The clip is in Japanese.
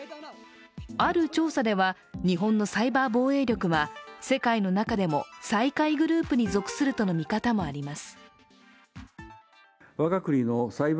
ある調査では、日本のサイバー防衛力は、世界の中でも最下位グループに属するとの見方もあります。